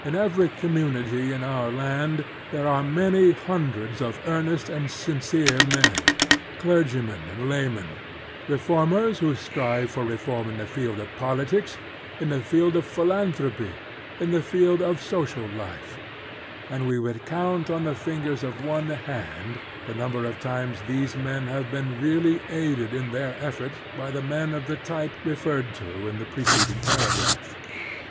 In every community in our land there are many htmdreds of earnest and sincere men, clerg5niien and laymen, reformers who strive for reform in the field of politics, in the field of philanthropy, in the field of social life ; and we could count on the fingers of one hand the number of times these men have been really aided in their efforts by the men of the type referred to in the preceding para graph.